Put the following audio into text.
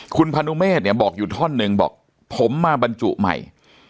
คุณพนุเมฆเนี่ยบอกอยู่ท่อนหนึ่งบอกผมมาบรรจุใหม่